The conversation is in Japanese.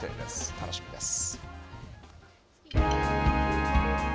楽しみです。